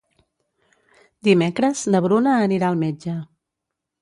Dimecres na Bruna anirà al metge.